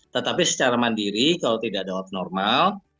tetapi secara mandiri kalau tidak ada abnormal